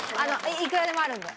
いくらでもあるんで。